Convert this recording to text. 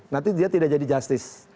nanti dia tidak jadi justice